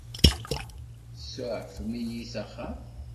Tsuɛfem-iyi s axxam.